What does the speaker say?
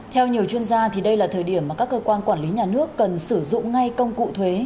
theo nhiều chuyên gia đây là thời điểm mà các cơ quan quản lý nhà nước cần sử dụng ngay công cụ thuế